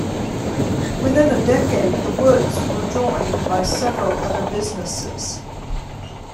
Within a decade the Woods were joined by several other businesses.